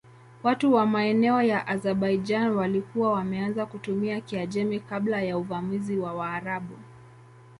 Watu wa maeneo ya Azerbaijan walikuwa wameanza kutumia Kiajemi kabla ya uvamizi wa Waarabu.